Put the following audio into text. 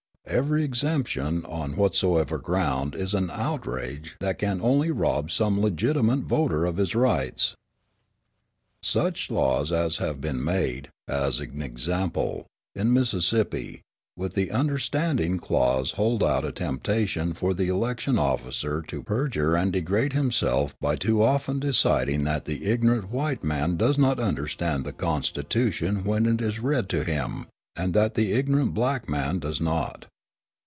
Every exemption, on whatsoever ground, is an outrage that can only rob some legitimate voter of his rights." Such laws as have been made as an example, in Mississippi with the "understanding" clause hold out a temptation for the election officer to perjure and degrade himself by too often deciding that the ignorant white man does understand the Constitution when it is read to him and that the ignorant black man does not.